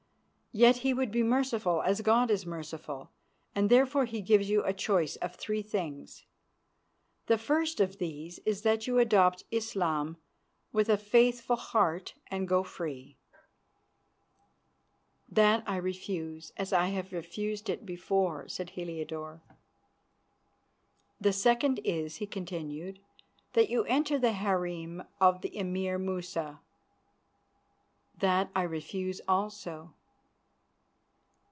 Yet he would be merciful as God is merciful, and therefore he gives you the choice of three things. The first of these is that you adopt Islam with a faithful heart and go free." "That I refuse, as I have refused it before," said Heliodore. "The second is," he continued, "that you enter the harem of the Emir Musa." "That I refuse also."